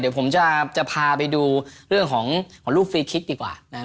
เดี๋ยวผมจะพาไปดูเรื่องของรูปฟรีคลิกดีกว่า